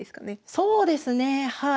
そうですねはい。